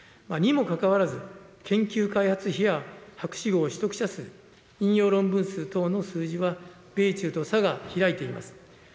にもかかわらず、研究開発費や博士号取得者数、引用論文数等の数字は米中と差が開いています。